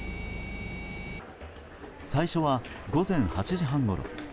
最初は、午前８時半ごろ。